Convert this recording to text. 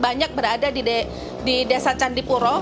banyak berada di desa candipuro